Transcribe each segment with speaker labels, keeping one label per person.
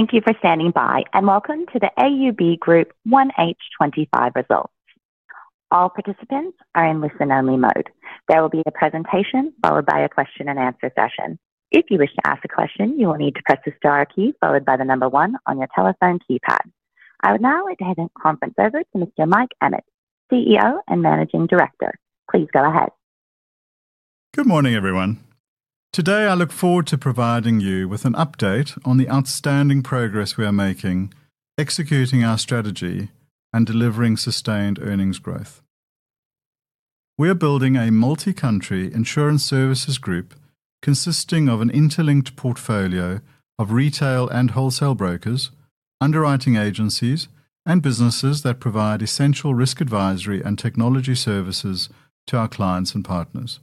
Speaker 1: Thank you for standing by, and welcome to the AUB Group 1H25 Results. All participants are in listen-only mode. There will be a presentation followed by a question-and-answer session. If you wish to ask a question, you will need to press the star key followed by the number one on your telephone keypad. I would now like to hand the conference over to Mr. Mike Emmett, CEO and Managing Director. Please go ahead.
Speaker 2: Good morning, everyone. Today, I look forward to providing you with an update on the outstanding progress we are making, executing our strategy, and delivering sustained earnings growth. We are building a multi-country insurance services group consisting of an interlinked portfolio of retail and wholesale brokers, underwriting agencies, and businesses that provide essential risk advisory and technology services to our clients and partners.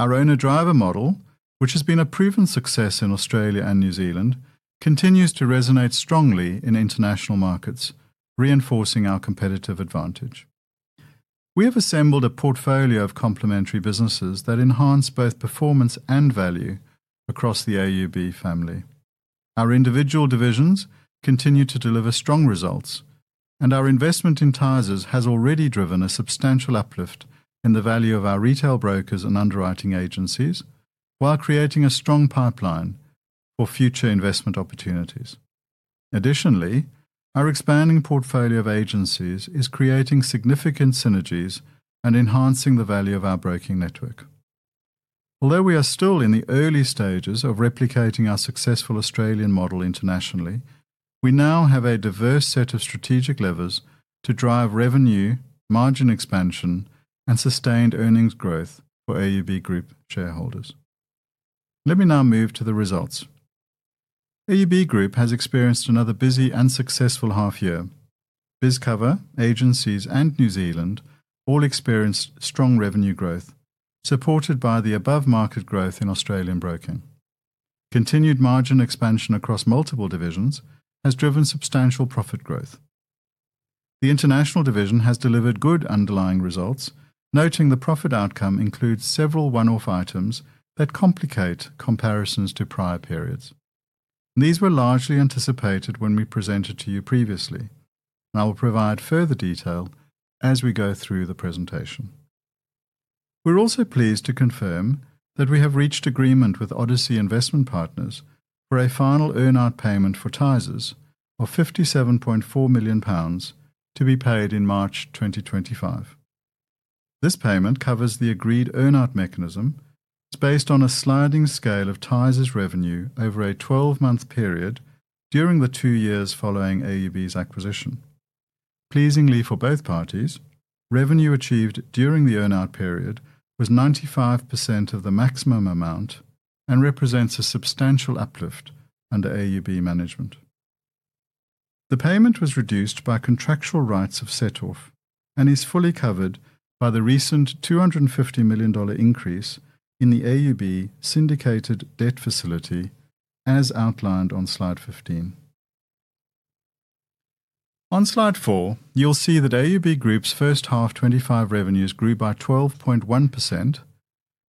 Speaker 2: Our owner-driver model, which has been a proven success in Australia and New Zealand, continues to resonate strongly in international markets, reinforcing our competitive advantage. We have assembled a portfolio of complementary businesses that enhance both performance and value across the AUB family. Our individual divisions continue to deliver strong results, and our investment in Tysers has already driven a substantial uplift in the value of our retail brokers and underwriting agencies, while creating a strong pipeline for future investment opportunities. Additionally, our expanding portfolio of agencies is creating significant synergies and enhancing the value of our broking network. Although we are still in the early stages of replicating our successful Australian model internationally, we now have a diverse set of strategic levers to drive revenue, margin expansion, and sustained earnings growth for AUB Group shareholders. Let me now move to the results. AUB Group has experienced another busy and successful half-year. BizCover, Agencies, and New Zealand all experienced strong revenue growth, supported by the above-market growth in Australian Broking. Continued margin expansion across multiple divisions has driven substantial profit growth. The International division has delivered good underlying results, noting the profit outcome includes several one-off items that complicate comparisons to prior periods. These were largely anticipated when we presented to you previously, and I will provide further detail as we go through the presentation. We're also pleased to confirm that we have reached agreement with Odyssey Investment Partners for a final earn-out payment for Tysers of 57.4 million pounds to be paid in March 2025. This payment covers the agreed earn-out mechanism, based on a sliding scale of Tysers' revenue over a 12-month period during the two years following AUB's acquisition. Pleasingly for both parties, revenue achieved during the earn-out period was 95% of the maximum amount and represents a substantial uplift under AUB management. The payment was reduced by contractual rights of set-off and is fully covered by the recent $250 million increase in the AUB syndicated debt facility, as outlined on Slide 15. On Slide 4, you'll see that AUB Group's first half 2025 revenues grew by 12.1%,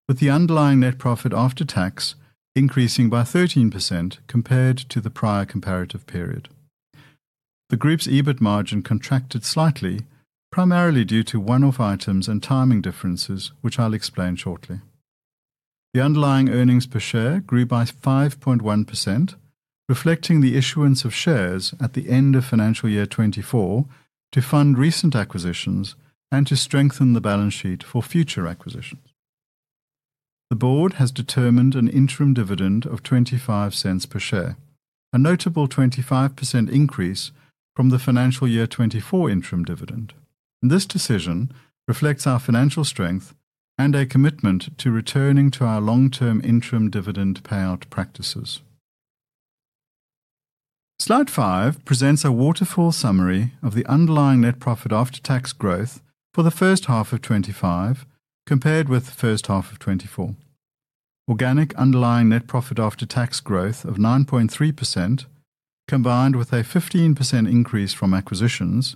Speaker 2: with the underlying net profit after tax increasing by 13% compared to the prior comparative period. The group's EBIT margin contracted slightly, primarily due to one-off items and timing differences, which I'll explain shortly. The underlying earnings per share grew by 5.1%, reflecting the issuance of shares at the end of financial year 2024 to fund recent acquisitions and to strengthen the balance sheet for future acquisitions. The board has determined an interim dividend of 0.25 per share, a notable 25% increase from the financial year 2024 interim dividend. This decision reflects our financial strength and a commitment to returning to our long-term interim dividend payout practices. Slide 5 presents a waterfall summary of the underlying net profit after tax growth for the first half of 2025 compared with first half of 2024. Organic underlying net profit after tax growth of 9.3%, combined with a 15% increase from acquisitions,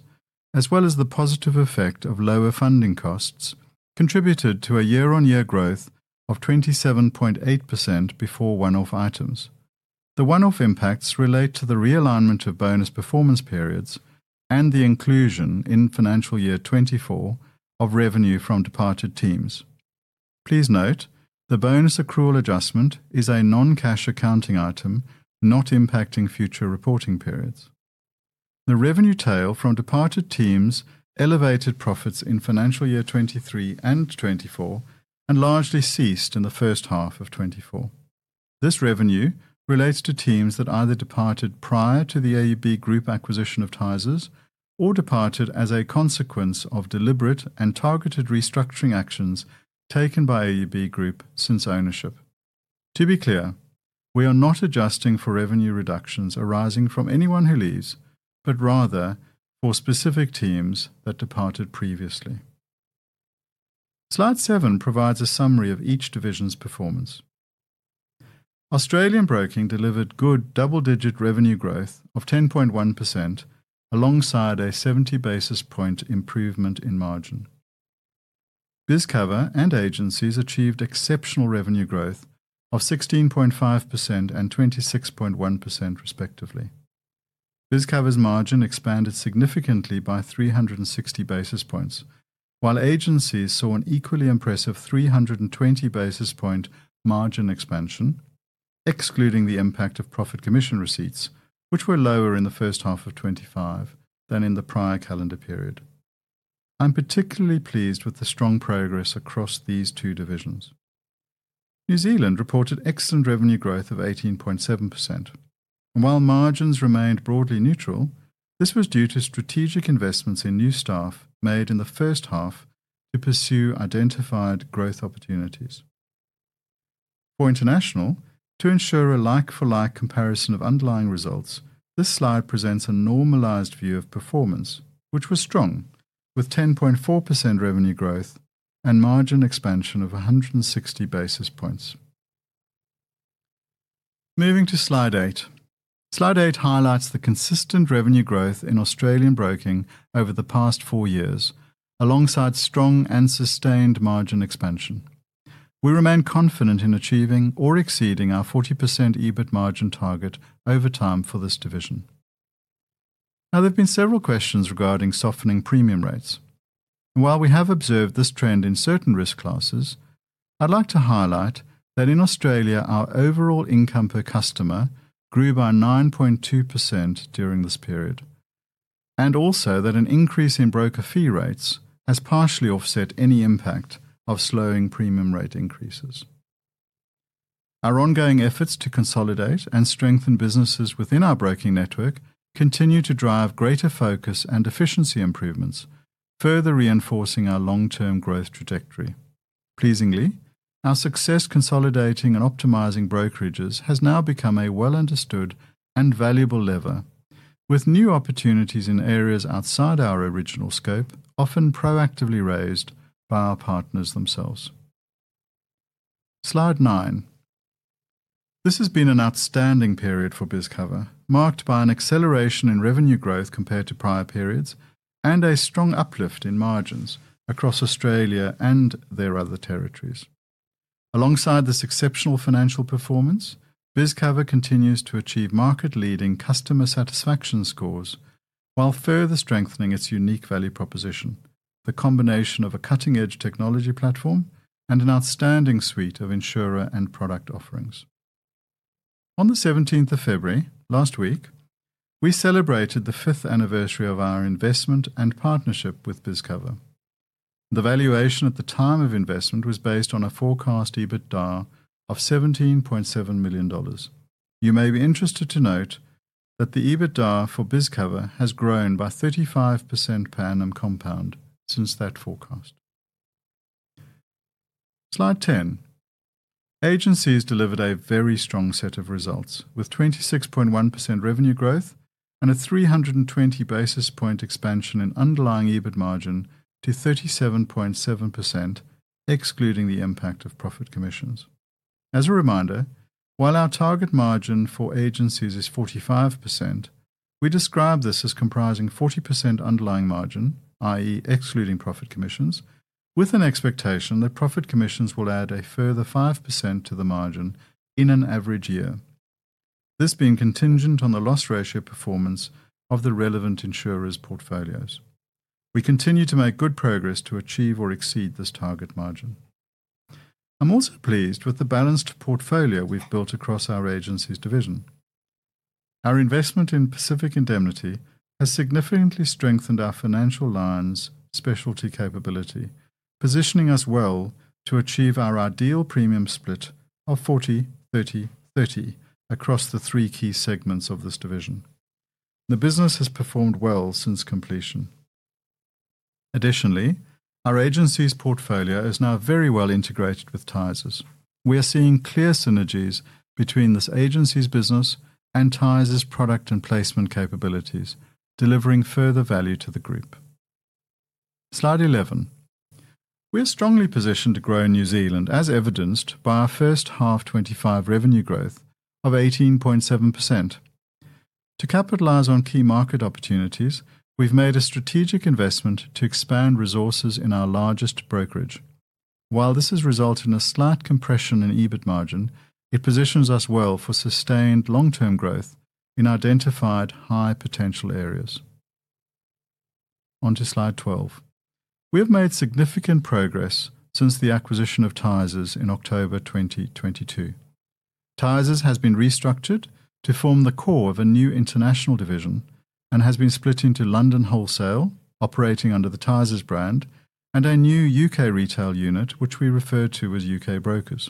Speaker 2: as well as the positive effect of lower funding costs, contributed to a year-on-year growth of 27.8% before one-off items. The one-off impacts relate to the realignment of bonus performance periods and the inclusion in financial year 2024 of revenue from departed teams. Please note, the bonus accrual adjustment is a non-cash accounting item, not impacting future reporting periods. The revenue tail from departed teams elevated profits in financial year 2023 and 2024 and largely ceased in the first half of 2024. This revenue relates to teams that either departed prior to the AUB Group acquisition of Tysers or departed as a consequence of deliberate and targeted restructuring actions taken by AUB Group since ownership. To be clear, we are not adjusting for revenue reductions arising from anyone who leaves, but rather for specific teams that departed previously. Slide 7 provides a summary of each division's performance. Australian Broking delivered good double-digit revenue growth of 10.1% alongside a 70 bps improvement in margin. BizCover and Agencies achieved exceptional revenue growth of 16.5% and 26.1%, respectively. BizCover's margin expanded significantly by 360 bps, while Agencies saw an equally impressive 320 bps margin expansion, excluding the impact of profit commission receipts, which were lower in the first half of 2025 than in the prior calendar period. I'm particularly pleased with the strong progress across these two divisions. New Zealand reported excellent revenue growth of 18.7%, and while margins remained broadly neutral, this was due to strategic investments in new staff made in the first half to pursue identified growth opportunities. For International, to ensure a like-for-like comparison of underlying results, this slide presents a normalized view of performance, which was strong, with 10.4% revenue growth and margin expansion of 160 bps. Moving to Slide 8. Slide 8 highlights the consistent revenue growth in Australian Broking over the past four years, alongside strong and sustained margin expansion. We remain confident in achieving or exceeding our 40% EBIT margin target over time for this division. Now, there have been several questions regarding softening premium rates. While we have observed this trend in certain risk classes, I'd like to highlight that in Australia, our overall income per customer grew by 9.2% during this period, and also that an increase in broker fee rates has partially offset any impact of slowing premium rate increases. Our ongoing efforts to consolidate and strengthen businesses within our broking network continue to drive greater focus and efficiency improvements, further reinforcing our long-term growth trajectory. Pleasingly, our success consolidating and optimizing brokerages has now become a well-understood and valuable lever, with new opportunities in areas outside our original scope often proactively raised by our partners themselves. Slide 9. This has been an outstanding period for BizCover, marked by an acceleration in revenue growth compared to prior periods and a strong uplift in margins across Australia and their other territories. Alongside this exceptional financial performance, BizCover continues to achieve market-leading customer satisfaction scores while further strengthening its unique value proposition, the combination of a cutting-edge technology platform and an outstanding suite of insurer and product offerings. On the 17th of February, last week, we celebrated the fifth anniversary of our investment and partnership with BizCover. The valuation at the time of investment was based on a forecast EBITDA of 17.7 million dollars. You may be interested to note that the EBITDA for BizCover has grown by 35% per annum compound since that forecast. Slide 10. Agencies delivered a very strong set of results, with 26.1% revenue growth and a 320 bps expansion in underlying EBIT margin to 37.7%, excluding the impact of profit commissions. As a reminder, while our target margin for Agencies is 45%, we describe this as comprising 40% underlying margin, i.e., excluding profit commissions, with an expectation that profit commissions will add a further 5% to the margin in an average year. This being contingent on the loss ratio performance of the relevant insurers' portfolios. We continue to make good progress to achieve or exceed this target margin. I'm also pleased with the balanced portfolio we've built across our Agencies' division. Our investment in Pacific Indemnity has significantly strengthened our Financial Lines specialty capability, positioning us well to achieve our ideal premium split of 40-30-30 across the three key segments of this division. The business has performed well since completion. Additionally, our Agencies' portfolio is now very well integrated with Tysers. We are seeing clear synergies between this Agencies business and Tysers' product and placement capabilities, delivering further value to the group. Slide 11. We are strongly positioned to grow in New Zealand, as evidenced by our first half 2025 revenue growth of 18.7%. To capitalize on key market opportunities, we've made a strategic investment to expand resources in our largest brokerage. While this has resulted in a slight compression in EBIT margin, it positions us well for sustained long-term growth in identified high-potential areas. Onto slide 12. We have made significant progress since the acquisition of Tysers in October 2022. Tysers has been restructured to form the core of a new International division and has been split into London Wholesale, operating under the Tysers brand, and a new U.K. retail unit, which we refer to as U.K. Brokers.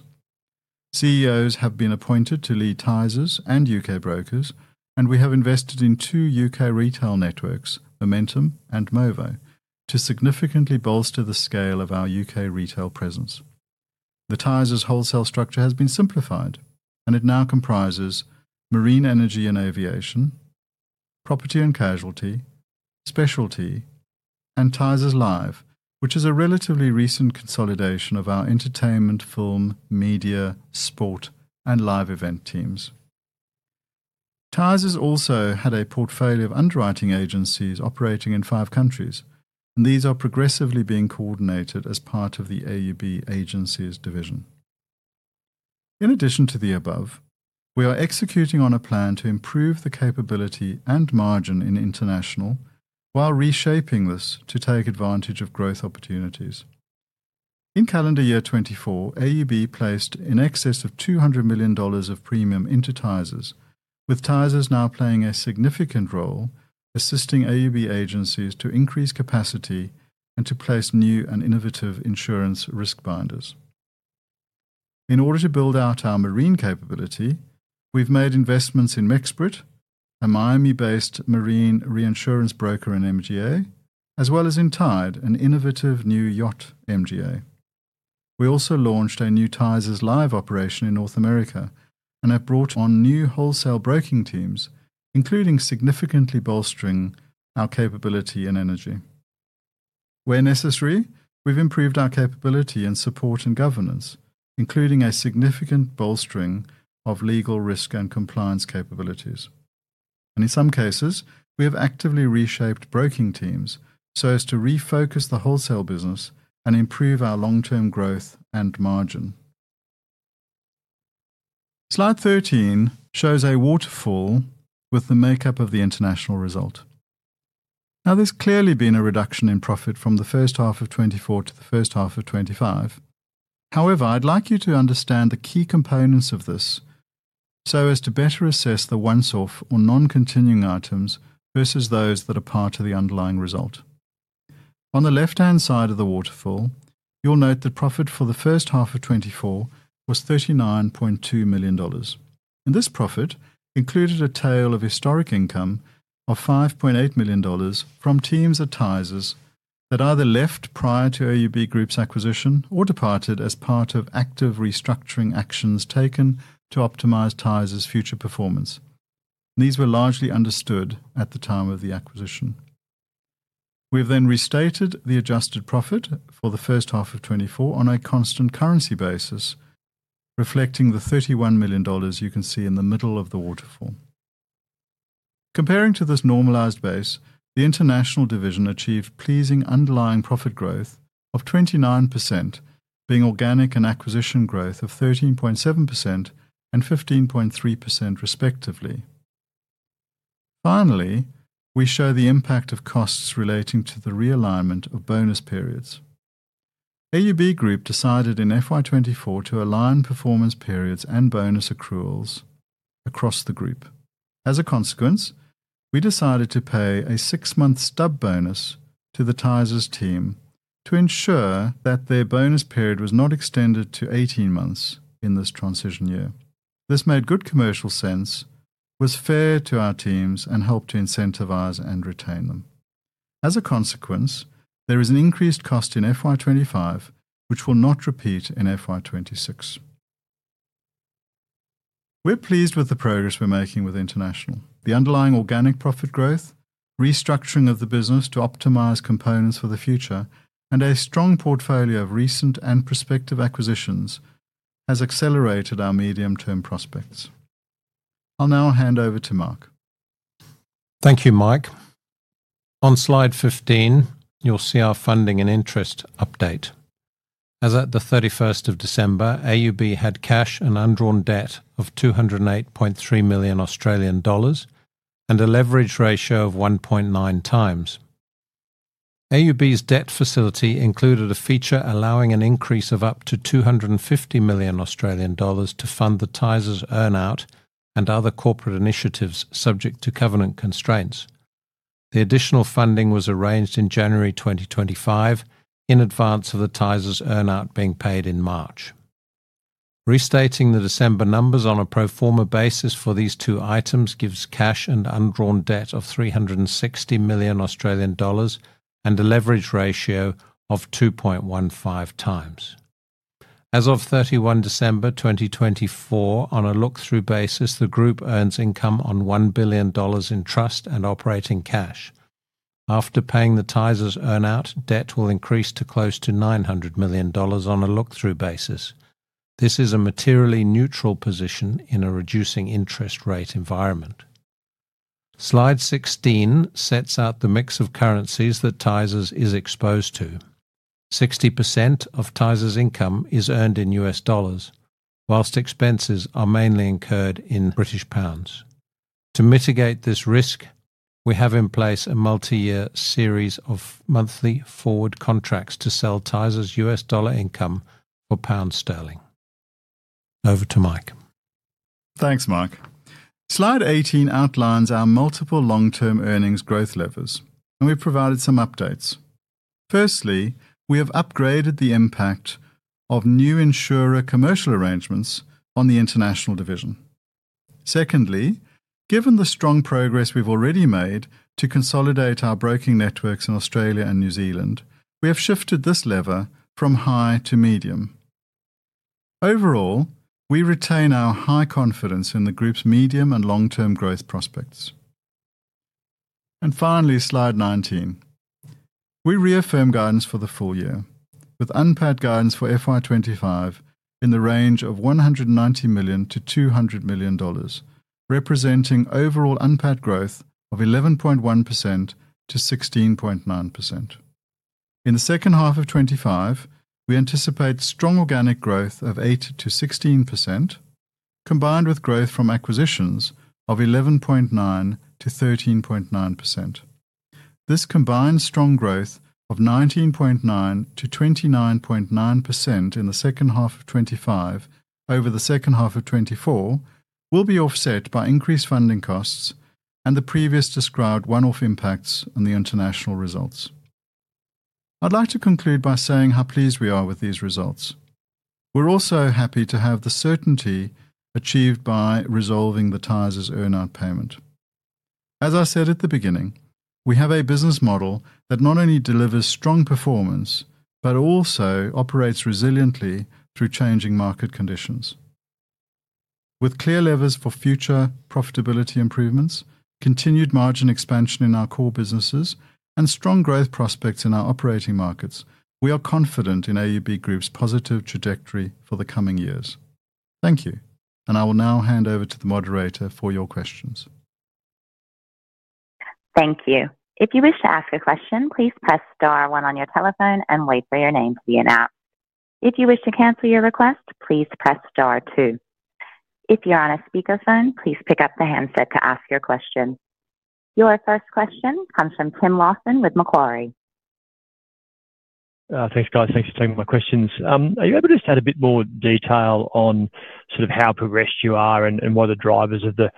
Speaker 2: CEOs have been appointed to lead Tysers and U.K. Brokers, and we have invested in two U.K. retail networks, Momentum and Movo, to significantly bolster the scale of our U.K. retail presence. The Tysers wholesale structure has been simplified, and it now comprises Marine, Energy, and Aviation, Property and Casualty, Specialty, and Tysers Live, which is a relatively recent consolidation of our entertainment, film, media, sport, and live event teams. Tysers also had a portfolio of underwriting agencies operating in five countries, and these are progressively being coordinated as part of the AUB Agencies' division. In addition to the above, we are executing on a plan to improve the capability and margin in International while reshaping this to take advantage of growth opportunities. In calendar year 2024, AUB placed in excess of 200 million dollars of premium into Tysers, with Tysers now playing a significant role assisting AUB Agencies to increase capacity and to place new and innovative insurance risk binders. In order to build out our marine capability, we've made investments in Mexus, a Miami-based marine reinsurance broker and MGA, as well as in Tide, an innovative new yacht MGA. We also launched a new Tysers Live operation in North America and have brought on new wholesale broking teams, including significantly bolstering our capability and Energy. Where necessary, we've improved our capability and support and governance, including a significant bolstering of legal risk and compliance capabilities. In some cases, we have actively reshaped broking teams so as to refocus the wholesale business and improve our long-term growth and margin. Slide 13 shows a waterfall with the makeup of the International result. Now, there's clearly been a reduction in profit from the first half of 2024 to the first half of 2025. However, I'd like you to understand the key components of this so as to better assess the one-offs or non-continuing items versus those that are part of the underlying result. On the left-hand side of the waterfall, you'll note that profit for the first half of 2024 was 39.2 million dollars. And this profit included a tail of historic income of 5.8 million dollars from teams at Tysers that either left prior to AUB Group's acquisition or departed as part of active restructuring actions taken to optimize Tysers' future performance. These were largely understood at the time of the acquisition. We have then restated the adjusted profit for the first half of 2024 on a constant currency basis, reflecting the 31 million dollars you can see in the middle of the waterfall. Comparing to this normalized base, the International division achieved pleasing underlying profit growth of 29%, being organic and acquisition growth of 13.7% and 15.3%, respectively. Finally, we show the impact of costs relating to the realignment of bonus periods. AUB Group decided in FY 2024 to align performance periods and bonus accruals across the group. As a consequence, we decided to pay a six-month stub bonus to the Tysers team to ensure that their bonus period was not extended to 18 months in this transition year. This made good commercial sense, was fair to our teams, and helped to incentivize and retain them. As a consequence, there is an increased cost in FY 2025, which will not repeat in FY 2026. We're pleased with the progress we're making with International. The underlying organic profit growth, restructuring of the business to optimize components for the future, and a strong portfolio of recent and prospective acquisitions has accelerated our medium-term prospects. I'll now hand over to Mark.
Speaker 3: Thank you, Mike. On Slide 15, you'll see our funding and interest update. As at the 31st of December, AUB had cash and undrawn debt of 208.3 million Australian dollars and a leverage ratio of 1.9 times. AUB's debt facility included a feature allowing an increase of up to 250 million Australian dollars to fund the Tysers' earnout and other corporate initiatives subject to covenant constraints. The additional funding was arranged in January 2025 in advance of the Tysers' earnout being paid in March. Restating the December numbers on a pro forma basis for these two items gives cash and undrawn debt of 360 million Australian dollars and a leverage ratio of 2.15 times. As of 31st December 2024, on a look-through basis, the group earns income on 1 billion dollars in trust and operating cash. After paying the Tysers' earn-out, debt will increase to close to 900 million dollars on a look-through basis. This is a materially neutral position in a reducing interest rate environment. Slide 16 sets out the mix of currencies that Tysers is exposed to. 60% of Tysers' income is earned in U.S. dollars, while expenses are mainly incurred in British pounds. To mitigate this risk, we have in place a multi-year series of monthly forward contracts to sell Tysers' U.S. dollar income for pound sterling. Over to Mike.
Speaker 2: Thanks, Mark. Slide 18 outlines our multiple long-term earnings growth levers, and we've provided some updates. Firstly, we have upgraded the impact of new insurer commercial arrangements on the International division. Secondly, given the strong progress we've already made to consolidate our broking networks in Australia and New Zealand, we have shifted this lever from high to medium. Overall, we retain our high confidence in the group's medium and long-term growth prospects. Finally, Slide 19. We reaffirm guidance for the full year, with UNPAT guidance for FY 2025 in the range of 190 to 200 million, representing overall UNPAT growth of 11.1% to 16.9%. In the second half of 2025, we anticipate strong organic growth of 8% to 16%, combined with growth from acquisitions of 11.9% to 13.9%. This combined strong growth of 19.9% to 29.9% in the second half of 2025 over the second half of 2024 will be offset by increased funding costs and the previously described one-off impacts on the International results. I'd like to conclude by saying how pleased we are with these results. We're also happy to have the certainty achieved by resolving the Tysers' earn-out payment. As I said at the beginning, we have a business model that not only delivers strong performance but also operates resiliently through changing market conditions. With clear levers for future profitability improvements, continued margin expansion in our core businesses, and strong growth prospects in our operating markets, we are confident in AUB Group's positive trajectory for the coming years. Thank you, and I will now hand over to the moderator for your questions.
Speaker 1: Thank you. If you wish to ask a question, please press star one on your telephone and wait for your name to be announced. If you wish to cancel your request, please press star two. If you're on a speakerphone, please pick up the handset to ask your question. Your first question comes from Tim Lawson with Macquarie.
Speaker 4: Thanks, guys. Thanks for taking my questions. Are you able to just add a bit more detail on sort of how progressed you are and what are the drivers of the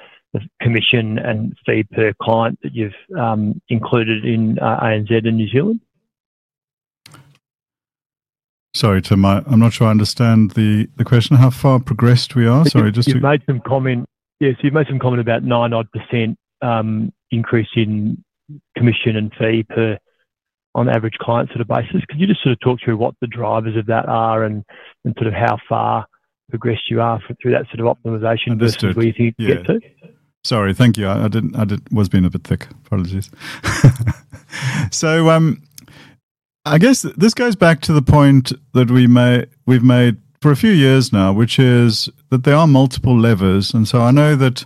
Speaker 4: commission and fee per client that you've included in Australian Broking
Speaker 2: Sorry, Tim, I'm not sure I understand the question. How far progressed we are? Sorry, just to.
Speaker 4: Yes, you've made some comment about 9-odd % increase in commission and fee per on average client sort of basis. Could you just sort of talk through what the drivers of that are and sort of how far progressed you are through that sort of optimization?
Speaker 2: Understood. Sorry, thank you. I was being a bit thick. Apologies. So I guess this goes back to the point that we've made for a few years now, which is that there are multiple levers. So I know that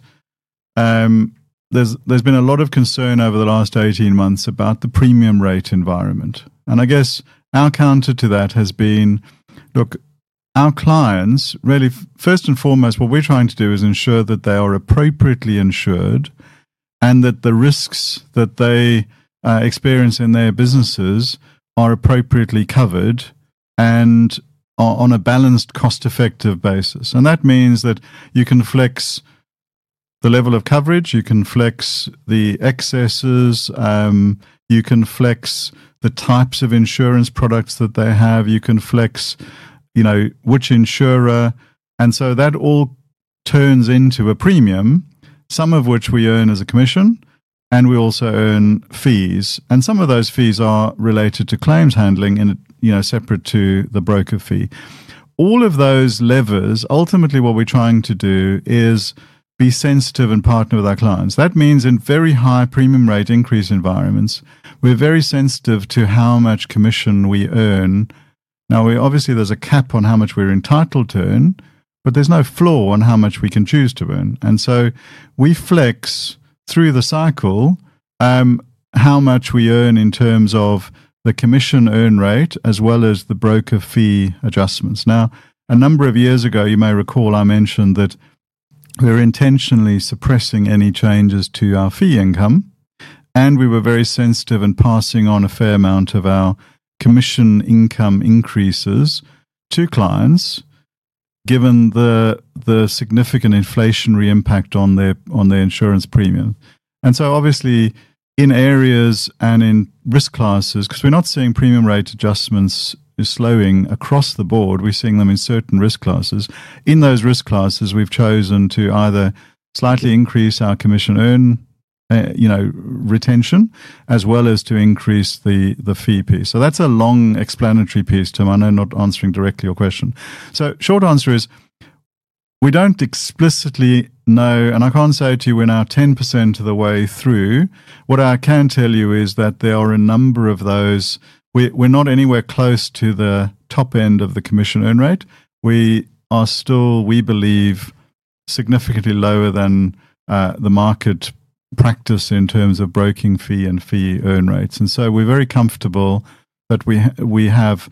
Speaker 2: there's been a lot of concern over the last 18 months about the premium rate environment. I guess our counter to that has been, look, our clients, really, first and foremost, what we're trying to do is ensure that they are appropriately insured and that the risks that they experience in their businesses are appropriately covered and on a balanced cost-effective basis. That means that you can flex the level of coverage, you can flex the excesses, you can flex the types of insurance products that they have, you can flex which insurer. And so that all turns into a premium, some of which we earn as a commission, and we also earn fees. And some of those fees are related to claims handling and separate to the broker fee. All of those levers, ultimately, what we're trying to do is be sensitive and partner with our clients. That means in very high premium rate increase environments, we're very sensitive to how much commission we earn. Now, obviously, there's a cap on how much we're entitled to earn, but there's no floor on how much we can choose to earn. So we flex through the cycle how much we earn in terms of the commission earn rate as well as the broker fee adjustments. Now, a number of years ago, you may recall I mentioned that we're intentionally suppressing any changes to our fee income, and we were very sensitive and passing on a fair amount of our commission income increases to clients, given the significant inflationary impact on their insurance premium. So, obviously, in areas and in risk classes, because we're not seeing premium rate adjustments slowing across the board, we're seeing them in certain risk classes. In those risk classes, we've chosen to either slightly increase our commission earn retention as well as to increase the fee piece. So that's a long explanatory piece, Tim. I know I'm not answering directly your question. So, short answer is we don't explicitly know, and I can't say to you we're now 10% of the way through. What I can tell you is that there are a number of those. We're not anywhere close to the top end of the commission earn rate. We are still, we believe, significantly lower than the market practice in terms of broking fee and fee earn rates. So we're very comfortable that we have,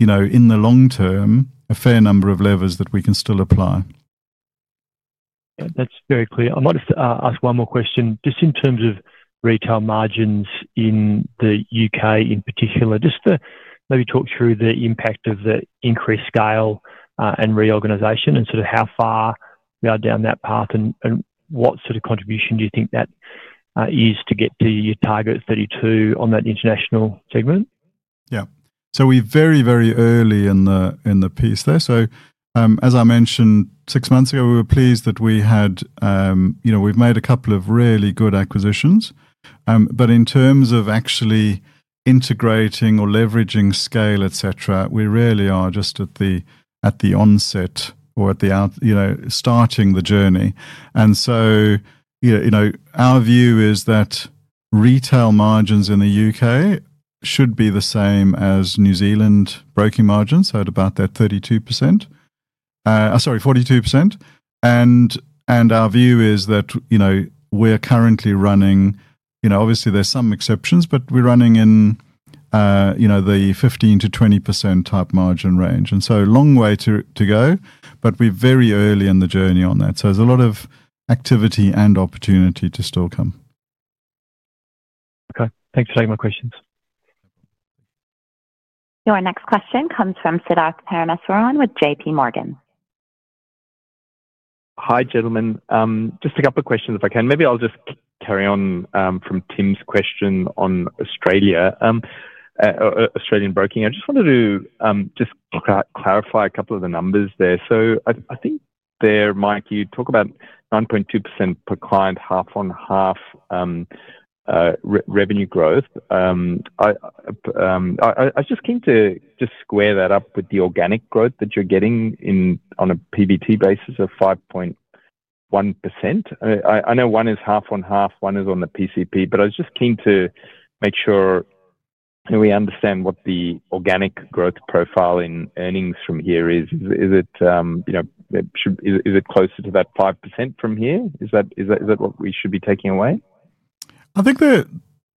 Speaker 2: in the long term, a fair number of levers that we can still apply.
Speaker 4: That's very clear. I might just ask one more question. Just in terms of retail margins in the U.K. in particular, just to maybe talk through the impact of the increased scale and reorganization and sort of how far we are down that path and what sort of contribution do you think that is to get to your target of 32% on that international segment?
Speaker 2: Yeah. So we're very, very early in the piece there. So, as I mentioned six months ago, we were pleased that we've made a couple of really good acquisitions. But in terms of actually integrating or leveraging scale, etc., we really are just at the onset or at the starting the journey, and so our view is that retail margins in the U.K. should be the same as New Zealand broking margins, so at about that 42%. Our view is that we're currently running. Obviously, there's some exceptions, but we're running in the 15%-20% type margin range and so long way to go, but we're very early in the journey on that. So there's a lot of activity and opportunity to still come.
Speaker 4: Okay. Thanks for taking my questions.
Speaker 1: Your next question comes from Siddharth Parameswaran with J.P. Morgan.
Speaker 5: Hi, gentlemen. Just a couple of questions, if I can. Maybe I'll just carry on from Tim's question on Australian Broking. I just wanted to just clarify a couple of the numbers there. So I think there, Mike, you talk about 9.2% per client, half on half revenue growth. I was just keen to just square that up with the organic growth that you're getting on a PBT basis of 5.1%. I know one is half on half, one is on the PCP, but I was just keen to make sure we understand what the organic growth profile in earnings from here is. Is it closer to that 5% from here? Is that what we should be taking away?
Speaker 2: I think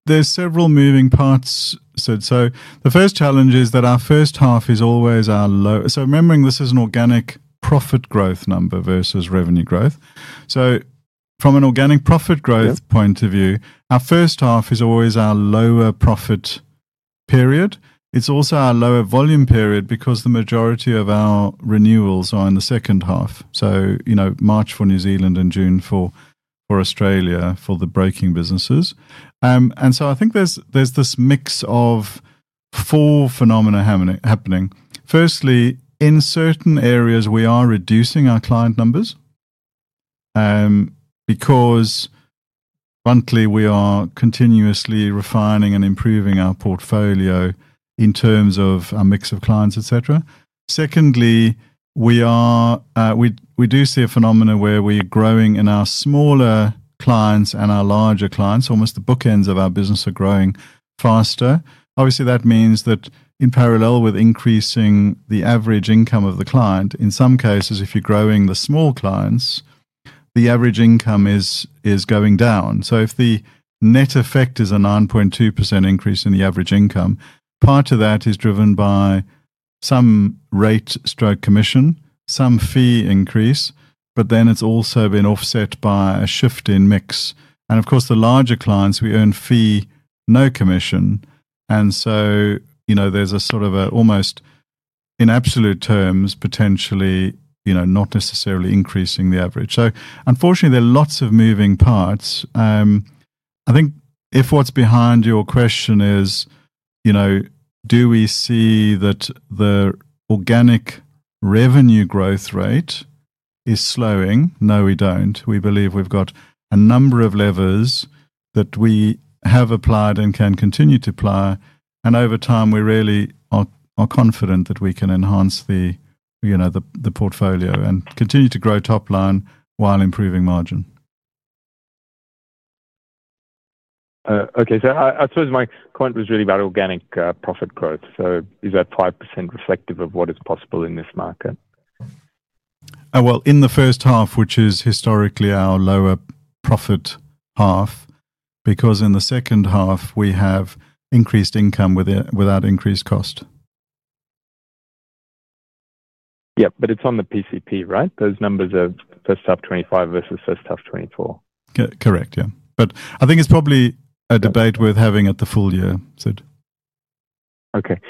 Speaker 2: there's several moving parts. So the first challenge is that our first half is always our low, so remembering this is an organic profit growth number versus revenue growth. So from an organic profit growth point of view, our first half is always our lower profit period. It's also our lower volume period because the majority of our renewals are in the second half. So March for New Zealand and June for Australia for the broking businesses. So I think there's this mix of four phenomena happening. Firstly, in certain areas, we are reducing our client numbers because monthly we are continuously refining and improving our portfolio in terms of our mix of clients, etc. Secondly, we do see a phenomenon where we are growing in our smaller clients and our larger clients. Almost the bookends of our business are growing faster. Obviously, that means that in parallel with increasing the average income of the client, in some cases, if you're growing the small clients, the average income is going down. So if the net effect is a 9.2% increase in the average income, part of that is driven by some rate or commission, some fee increase, but then it's also been offset by a shift in mix. Of course, the larger clients, we earn fee, no commission. And so there's a sort of almost, in absolute terms, potentially not necessarily increasing the average. Unfortunately, there are lots of moving parts. I think if what's behind your question is, do we see that the organic revenue growth rate is slowing? No, we don't. We believe we've got a number of levers that we have applied and can continue to apply. Over time, we really are confident that we can enhance the portfolio and continue to grow top line while improving margin.
Speaker 5: Okay. So I suppose my point was really about organic profit growth. So is that 5% reflective of what is possible in this market?
Speaker 2: Well, in the first half, which is historically our lower profit half, because in the second half, we have increased income without increased cost.
Speaker 5: Yep. But it's on the PCP, right? Those numbers of first half 2025 versus first half 2024.
Speaker 2: Correct. Yeah. But I think it's probably a debate worth having at the full year.
Speaker 5: Okay.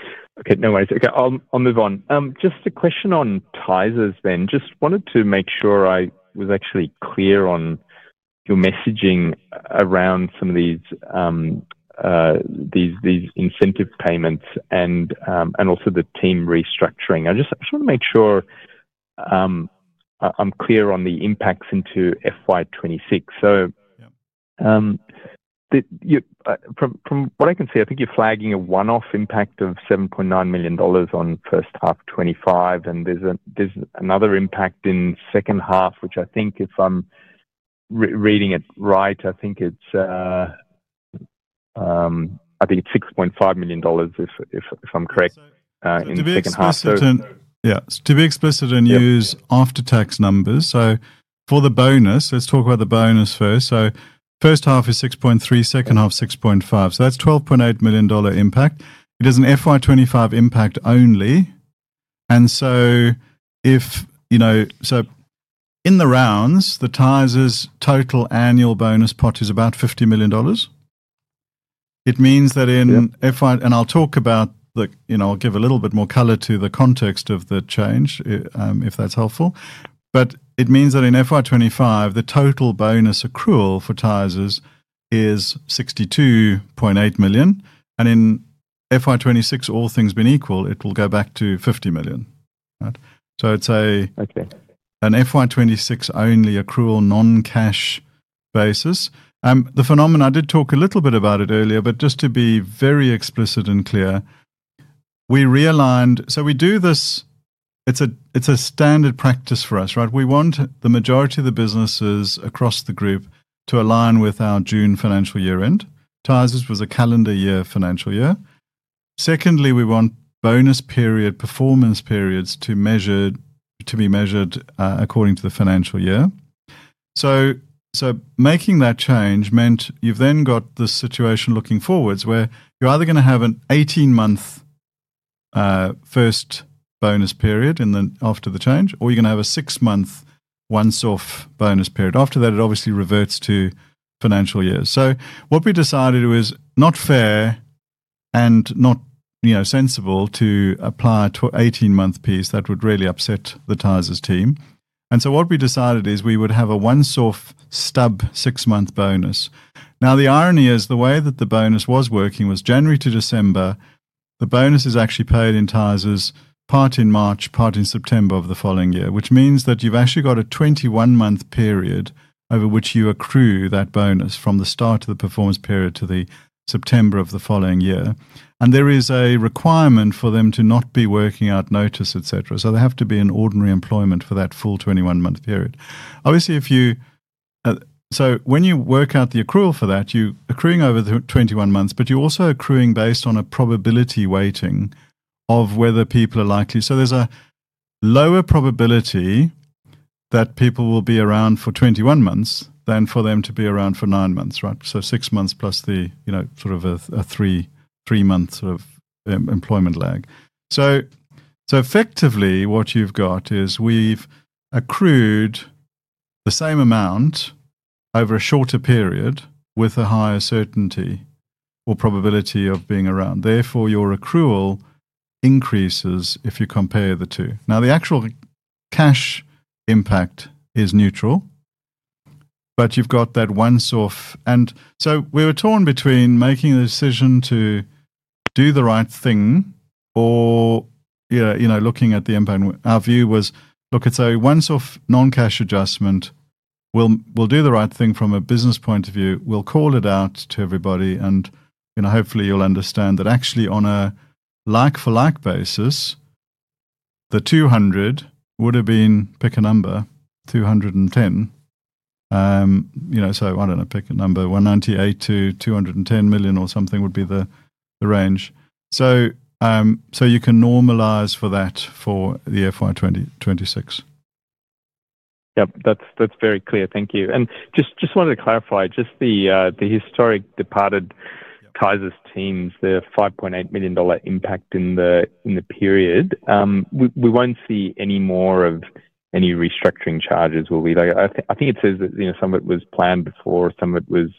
Speaker 5: No worries. Okay. I'll move on. Just a question on Tysers then. Just wanted to make sure I was actually clear on your messaging around some of these incentive payments and also the team restructuring. I just want to make sure I'm clear on the impacts into FY 2026. So from what I can see, I think you're flagging a one-off impact of 7.9 million dollars on first half 2025, and there's another impact in second half 2025, which I think, if I'm reading it right, I think it's 6.5 million dollars, if I'm correct, in second half 2025.
Speaker 2: Yeah. To be explicit and use after-tax numbers. So for the bonus, let's talk about the bonus first. So first half is 6.3 million, second half 6.5 million. So that's 12.8 million dollar impact. It is an FY 2025 impact only. And so in the rounds, the Tysers total annual bonus pot is about 50 million dollars. It means that in FY 2025, and I'll give a little bit more color to the context of the change, if that's helpful. But it means that in FY 2025, the total bonus accrual for Tysers is 62.8 million and in FY 2026, all things being equal, it will go back to 50 million. So it's an FY 2026 only accrual non-cash basis. The phenomena, I did talk a little bit about it earlier, but just to be very explicit and clear, we realigned. So we do this. It's a standard practice for us, right? We want the majority of the businesses across the group to align with our June financial year-end. Tysers was a calendar year financial year. Secondly, we want bonus period performance periods to be measured according to the financial year. So making that change meant you've then got the situation looking forwards where you're either going to have an 18-month first bonus period after the change, or you're going to have a six-month once-off bonus period. After that, it obviously reverts to financial years. So what we decided was not fair and not sensible to apply to an 18-month piece. That would really upset the Tysers team. So what we decided is we would have a once-off stub six-month bonus. Now, the irony is the way that the bonus was working was January to December, the bonus is actually paid in Tysers part in March, part in September of the following year, which means that you've actually got a 21-month period over which you accrue that bonus from the start of the performance period to September of the following year. There is a requirement for them to not be working out notice, etc. They have to be in ordinary employment for that full 21-month period. Obviously, when you work out the accrual for that, you're accruing over the 21 months, but you're also accruing based on a probability weighting of whether people are likely. There's a lower probability that people will be around for 21 months than for them to be around for nine months, right? Six months plus the three-month sort of employment lag. Effectively, what you've got is we've accrued the same amount over a shorter period with a higher certainty or probability of being around. Therefore, your accrual increases if you compare the two. Now, the actual cash impact is neutral, but you've got that one-off. So we were torn between making the decision to do the right thing or looking at the impact. Our view was, look, it's a once-off non-cash adjustment. We'll do the right thing from a business point of view. We'll call it out to everybody. Hopefully, you'll understand that actually, on a like-for-like basis, the 200 would have been, pick a number, 210. So I don't know, pick a number. 198 to 210 million or something would be the range. So you can normalize for that for the FY 2026.
Speaker 5: Yep. That's very clear. Thank you. And just wanted to clarify just the historic departed Tysers teams, their 5.8 million dollar impact in the period. We won't see any more of any restructuring charges. I think it says that some of it was planned before. Some of it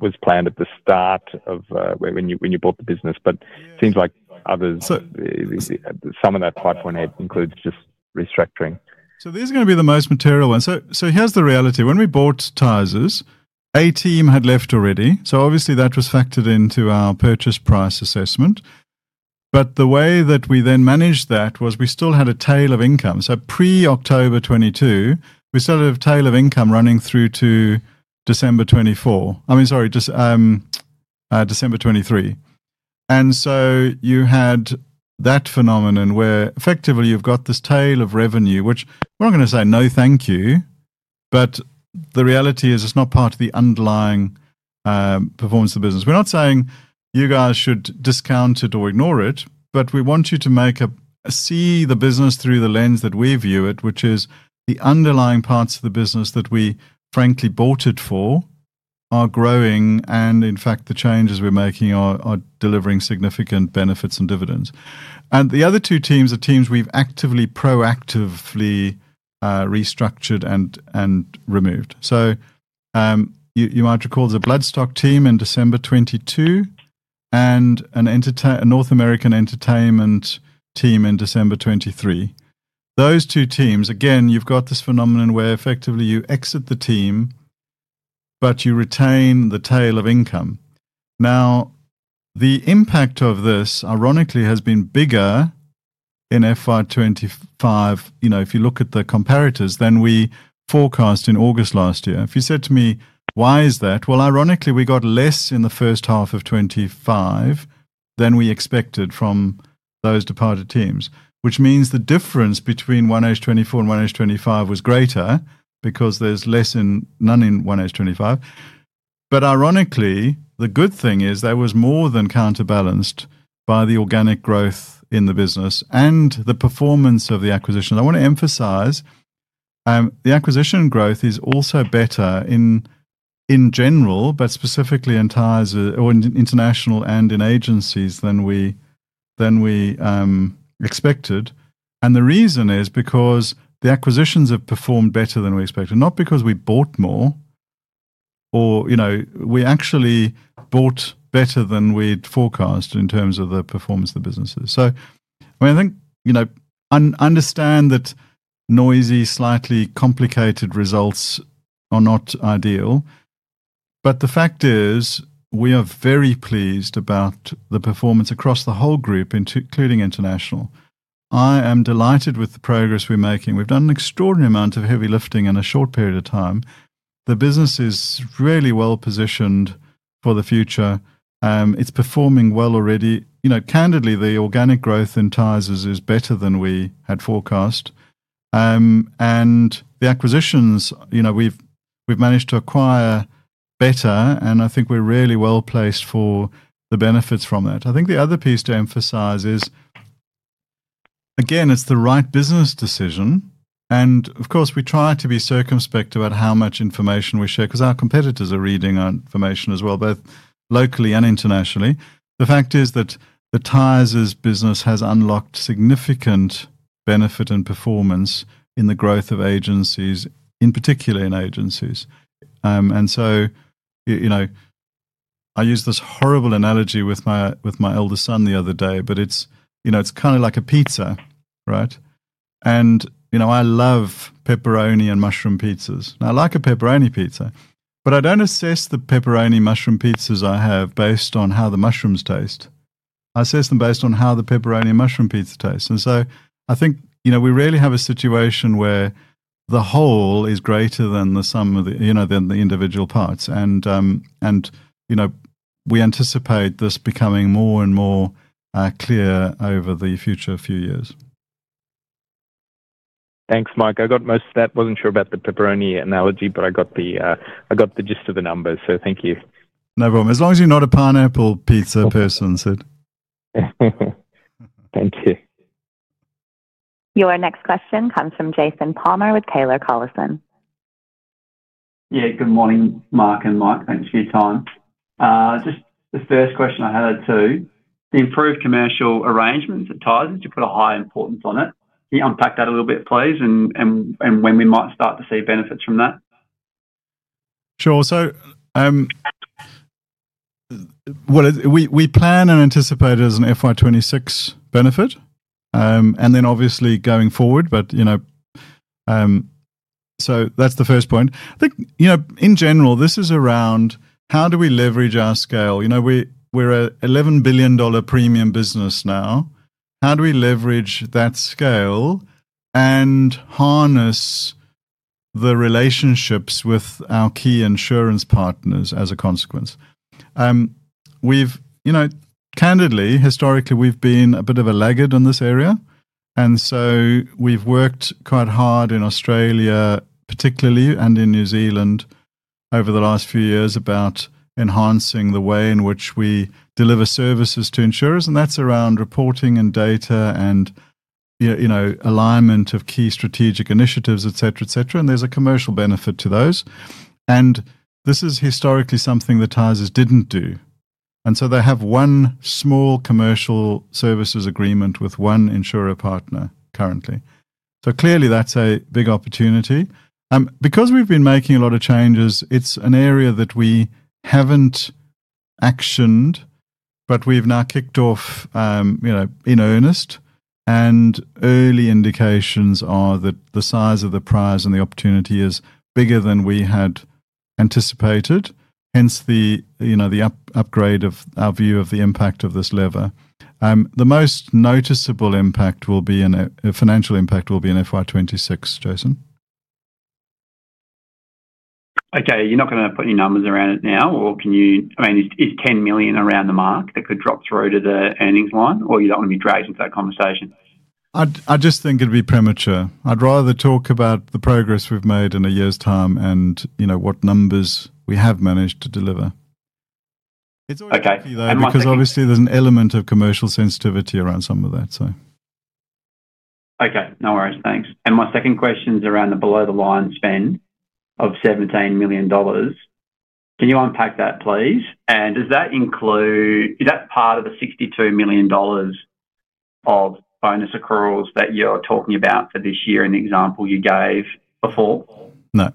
Speaker 5: was planned at the start of when you bought the business, but it seems like some of that 5.8 includes just restructuring.
Speaker 2: So these are going to be the most material ones. So here's the reality. When we bought Tysers, A team had left already. So obviously, that was factored into our purchase price assessment. But the way that we then managed that was we still had a tail of income. So pre-October 2022, we still had a tail of income running through to December 2023. So you had that phenomenon where effectively you've got this tail of revenue, which we're not going to say, "No, thank you." But the reality is it's not part of the underlying performance of the business. We're not saying you guys should discount it or ignore it, but we want you to see the business through the lens that we view it, which is the underlying parts of the business that we, frankly, bought it for are growing and in fact, the changes we're making are delivering significant benefits and dividends. The other two teams are teams we've actively, proactively restructured and removed. So you might recall there's a Bloodstock team in December 2022 and a North American Entertainment team in December 2023. Those two teams, again, you've got this phenomenon where effectively you exit the team, but you retain the tail of income. Now, the impact of this, ironically, has been bigger in FY 2025. If you look at the comparators, then we forecast in August last year. If you said to me, "Why is that?" Well, ironically, we got less in the first half of 2025 than we expected from those departed teams, which means the difference between H1 2024 and H1 2025 was greater because there's none in H1 2025. But ironically, the good thing is there was more than counterbalanced by the organic growth in the business and the performance of the acquisition. I want to emphasize the acquisition growth is also better in general, but specifically in Tysers or in International and in Agencies than we expected. The reason is because the acquisitions have performed better than we expected. Not because we bought more, or we actually bought better than we'd forecast in terms of the performance of the businesses. So I mean, I think understand that noisy, slightly complicated results are not ideal. But the fact is we are very pleased about the performance across the whole group, including International. I am delighted with the progress we're making. We've done an extraordinary amount of heavy lifting in a short period of time. The business is really well-positioned for the future. It's performing well already. Candidly, the organic growth in Tysers is better than we had forecast and the acquisitions, we've managed to acquire better, and I think we're really well-placed for the benefits from that. I think the other piece to emphasize is, again, it's the right business decision. Of course, we try to be circumspect about how much information we share because our competitors are reading our information as well, both locally and internationally. The fact is that the Tysers business has unlocked significant benefit and performance in the growth of Agencies, in particular in Agencies. So I use this horrible analogy with my elder son the other day, but it's kind of like a pizza, right? I love pepperoni and mushroom pizzas. Now, I like a pepperoni pizza, but I don't assess the pepperoni mushroom pizzas I have based on how the mushrooms taste. I assess them based on how the pepperoni and mushroom pizza tastes. So I think we really have a situation where the whole is greater than the sum of the individual parts. We anticipate this becoming more and more clear over the future few years.
Speaker 5: Thanks, Mike. I got most of that. Wasn't sure about the pepperoni analogy, but I got the gist of the numbers. So thank you.
Speaker 2: No problem. As long as you're not a pineapple pizza person, Sid.
Speaker 5: Thank you.
Speaker 1: Your next question comes from Jason Palmer with Taylor Collison. Yeah.
Speaker 6: Good morning, Mark and Mike. Thanks for your time. Just the first question, I had two. The improved commercial arrangements at Tysers, you put a high importance on it. Can you unpack that a little bit, please, and when we might start to see benefits from that?
Speaker 2: Sure. So we plan and anticipate as an FY 2026 benefit, and then obviously going forward. So that's the first point. I think in general, this is around how do we leverage our scale? We're an 11 billion dollar premium business now. How do we leverage that scale and harness the relationships with our key insurance partners as a consequence? Candidly, historically, we've been a bit of a laggard in this area and we've worked quite hard in Australia, particularly, and in New Zealand over the last few years about enhancing the way in which we deliver services to insurers. That's around reporting and data and alignment of key strategic initiatives, etc.. There's a commercial benefit to those. This is historically something that Tysers didn't do. So they have one small commercial services agreement with one insurer partner currently. Clearly, that's a big opportunity. Because we've been making a lot of changes, it's an area that we haven't actioned, but we've now kicked off in earnest. Early indications are that the size of the prize and the opportunity is bigger than we had anticipated, hence the upgrade of our view of the impact of this lever. The most noticeable financial impact will be in FY 2026, Jason.
Speaker 6: Okay. You're not going to put any numbers around it now, or can you? I mean, is 10 million around the mark that could drop through to the earnings line, or you don't want to be dragged into that conversation?
Speaker 2: I just think it'd be premature. I'd rather talk about the progress we've made in a year's time and what numbers we have managed to deliver. It's always tricky though because obviously there's an element of commercial sensitivity around some of that, so.
Speaker 6: Okay. No worries. Thanks. My second question is around the below-the-line spend of 17 million dollars. Can you unpack that, please? Is that part of the 62 million dollars of bonus accruals that you're talking about for this year in the example you gave before?
Speaker 2: No.